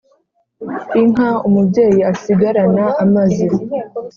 Inka umubyeyi asigarana amaze